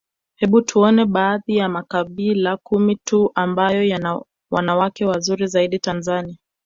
Hebu tuone baadhi ya makabila kumi tuu ambayo yana wanawake wazuri zaidi Tanzania